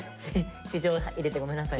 私情入れてごめんなさい。